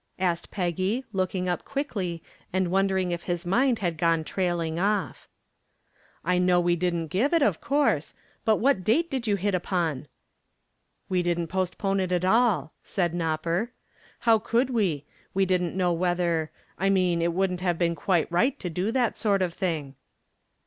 asked Peggy, looking up quickly, and wondering if his mind had gone trailing off. "I know we didn't give it, of course; but what date did you hit upon?" "We didn't postpone it at all," said "Nopper." "How could we? We didn't know whether I mean it wouldn't have been quite right to do that sort of thing."